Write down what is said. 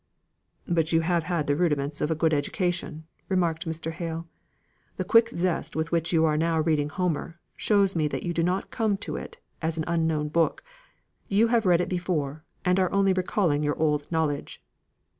"But you have the rudiments of a good education," remarked Mr. Hale. "The quick zest with which you are now reading Homer, shows me that you do not come to it as an unknown book: you have read it before, and are only recalling your old knowledge."